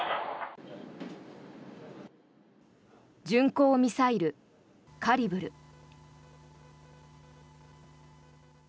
巡航ミサイル、カリブル。